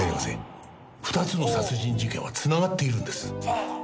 ２つの殺人事件は繋がっているんです。